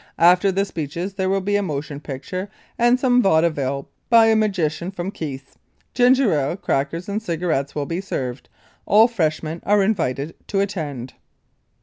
After the speeches there will be a motion picture, and some vaudeville by a magician from Keith's. Ginger ale, crackers, and cigarettes will be served. All freshmen are invited to attend."